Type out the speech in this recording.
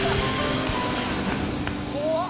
怖っ。